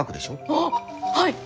ああはい！